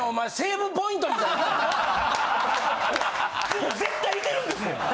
もう絶対居てるんですもん。